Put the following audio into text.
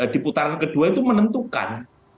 di putaran kedua itu menentukan